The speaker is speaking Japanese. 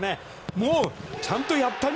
もう、ちゃんとやったに！